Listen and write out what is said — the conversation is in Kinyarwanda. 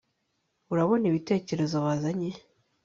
Urabona ibitekerezo bazanye